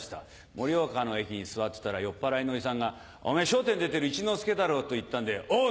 盛岡の駅に座ってたら酔っぱらいのおじさんが「おめぇ『笑点』出てる一之輔だろう」と言ったんで「おう！